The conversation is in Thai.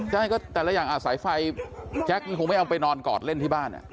ใช่ก็แต่ละอย่างสายไฟแจ็คมันคงไม่เอาไปนอนกอดเล่นที่บ้าน